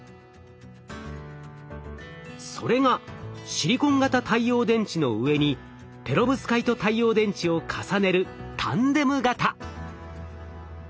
それがシリコン型太陽電池の上にペロブスカイト太陽電池を重ねるタンデム型。